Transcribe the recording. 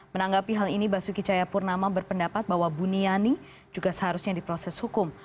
menanggapi hal ini basuki cahayapurnama berpendapat bahwa buniani juga seharusnya diproses hukum